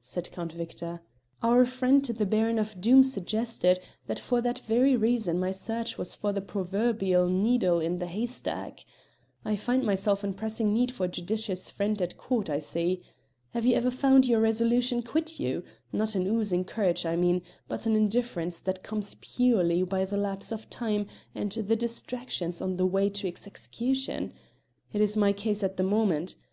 said Count Victor. "Our friend the Baron of Doom suggested that for that very reason my search was for the proverbial needle in the haystack. I find myself in pressing need of a judicious friend at court, I see. Have you ever found your resolution quit you not an oozing courage, I mean, but an indifference that comes purely by the lapse of time and the distractions on the way to its execution? It is my case at the moment.